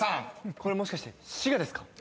これもしかして「滋賀」ですか？